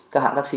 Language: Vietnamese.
các hãng taxi